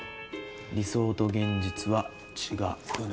理想と現実は違うの。